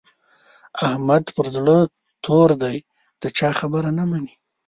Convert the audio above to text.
احمد پر زړه تور دی؛ د چا خبره نه مني.